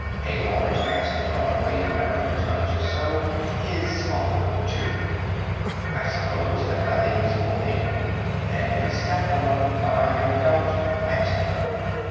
A large mastodon weighing a hundred tons or so is awkward, too. I suppose that nothing is more painful than to be stepped on by an adult mastodon.